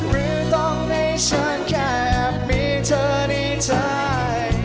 หรือต้องให้ฉันแค่มีเธอในใจ